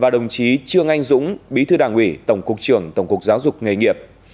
đồng chí trương anh dũng bí thư đảng ủy tổng cục trưởng tổng cục giáo dục nghề nghiệp